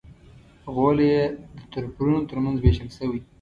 غولی یې د تربرونو تر منځ وېشل شوی.